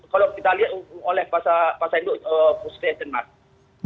kalau kita lihat ufung oleh pasar induk frustration mas